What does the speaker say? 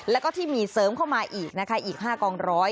แล้วก็ที่มีเสริมเข้ามาอีกนะคะอีก๕กองร้อย